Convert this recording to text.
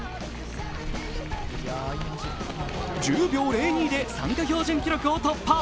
１０秒０２で参加標準記録を突破。